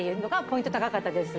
ポイント高かったです。